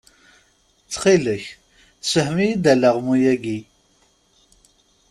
Ttxil-k, sefhem-iyi-d alaɣmu-agi?